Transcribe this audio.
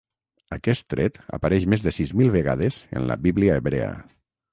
Aquest tret apareix més de sis mil vegades en la Bíblia hebrea.